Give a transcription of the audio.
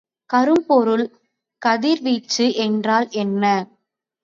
கரும்பொருள் கதிர்வீச்சு என்றால் என்ன?